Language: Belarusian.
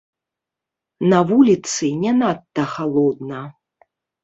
На вуліцы не надта халодна.